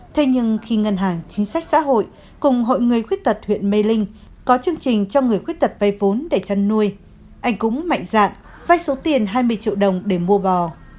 thế nhưng khi ngân hàng chính sách xã hội cùng hội người khuyết tật huyện mê linh có chương trình cho người khuyết tật vây vốn để chăn nuôi anh cũng mạnh dạng vay số tiền hai mươi triệu đồng để mua bò